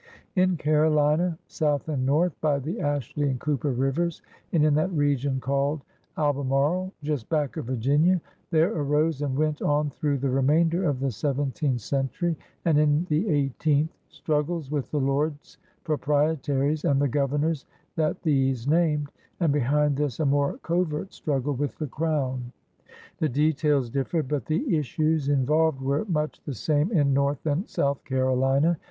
In Carolina, South and North, by the Ashley and Cooper rivers, and in that region called Albe* marie, just back of Virginia, there arose and went on, through the remainder of the seventeenth cen tury and in the eighteenth, struggles with the Lords Proprietaries and the Governors that these named, and behind this a more covert struggle with the Crown. The details differed, but the issues in volved were much the same in North and South Carolina.